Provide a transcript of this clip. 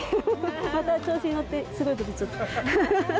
また調子に乗ってすごいこと言っちゃった。